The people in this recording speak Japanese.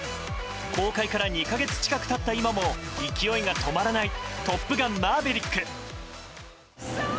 公開から２か月近く経った今も勢いが止まらない「トップガンマーヴェリック」。